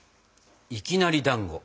いきなりだんご。